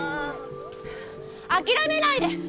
諦めないで！